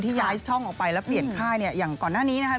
ที่ย้ายช่องแล้วไปแล้วเปลี่ยนไข้อย่างก่อนหน้านี้นะ